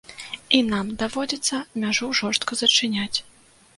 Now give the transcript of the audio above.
І нам даводзіцца мяжу жорстка зачыняць.